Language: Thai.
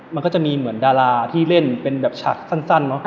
มันก็จะมีเหมือนดาราที่เล่นเป็นแบบฉากสั้นเนอะ